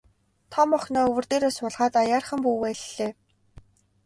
Том охиноо өвөр дээрээ суулгаад аяархан бүүвэйллээ.